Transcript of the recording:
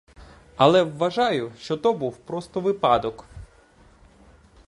Але вважаю, що то був просто випадок.